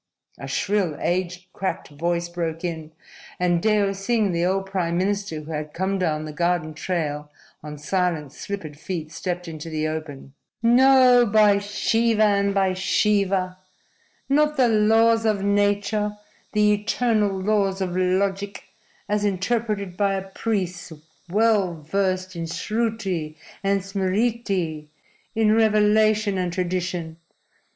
a shrill, age cracked voice broke in, and Deo Singh, the old prime minister who had come down the garden trail on silent, slippered feet, stepped into the open. "No! By Shiva and by Shiva! Not the laws of nature, the eternal laws of logic, as interpreted by a priest well versed in Sruti and Smriti in revelation and tradition.